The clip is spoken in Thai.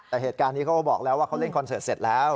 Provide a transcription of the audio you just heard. แต่เหตุการณ์นี้เขาก็บอกแล้วว่าเขาเล่นคอนเสิร์ตเสร็จแล้ว